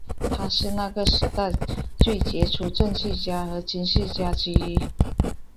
他是那个时代最杰出的政治家和军事家之一。